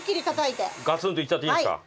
ガツンといっちゃっていいですか？